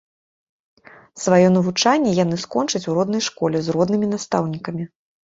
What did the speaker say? Сваё навучанне яны скончаць у роднай школе з роднымі настаўнікамі.